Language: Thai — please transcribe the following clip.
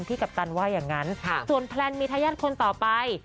กัปตันว่าอย่างนั้นส่วนแพลนมีทายาทคนต่อไป